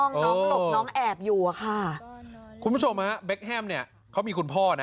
น้องน้องหลบน้องแอบอยู่อะค่ะคุณผู้ชมฮะเบคแฮมเนี่ยเขามีคุณพ่อนะ